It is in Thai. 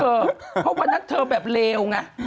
เพราะวันนั้นเธอแบบเลวไง